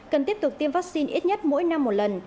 cần tiếp tục tiêm vaccine ít nhất mỗi năm một lần